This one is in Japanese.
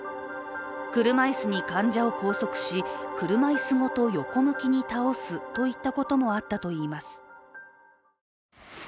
車椅子に患者を拘束し、車椅子ごと横向きに倒すといったこともあったといいます